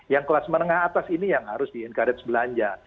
yang kelas menengah atas ini yang harus di encourage belanja